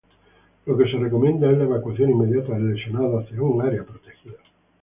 Lo que se recomienda es la evacuación inmediata del lesionado hacia un área protegida.